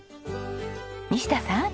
西田さん